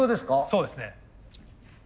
そうですね。